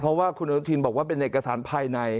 เพราะว่าคุณอนุทินบอกว่าเป็นเอกสารภายใน